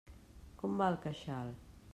Com va el queixal?